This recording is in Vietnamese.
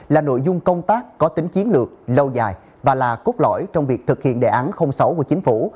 là nội dung công tác có tính chiến lược lâu dài và là cốt lõi trong việc thực hiện đề án sáu của chính phủ